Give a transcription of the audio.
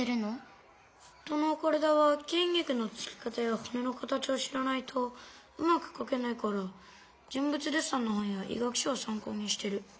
人の体はきん肉のつき方やほねの形を知らないとうまくかけないから人物デッサンの本や医学書を参考にしてる。